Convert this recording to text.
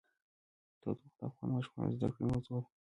تودوخه د افغان ماشومانو د زده کړې موضوع ده.